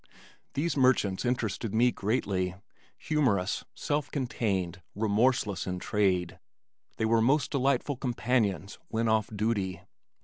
These merchants interested me greatly. Humorous, self contained, remorseless in trade, they were most delightful companions when off duty.